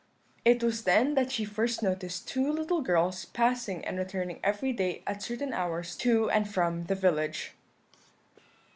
"It was then that she first noticed two little girls passing and returning every day at certain hours to and from the village.